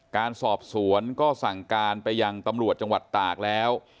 การสอบสวนก็สั่งการไปยังตำรวจจังหวัดตากแล้ว